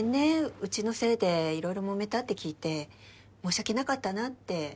うちのせいで色々もめたって聞いて申し訳なかったなって。